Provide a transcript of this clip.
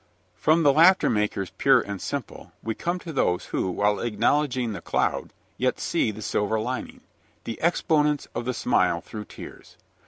From the laughter makers pure and simple, we come to those who, while acknowledging the cloud, yet see the silver lining the exponents of the smile through tears.